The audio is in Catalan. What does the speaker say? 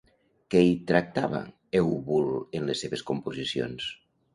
Què hi tractava Eubul en les seves composicions?